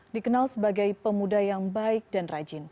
dikenal sebagai pemuda yang baik dan rajin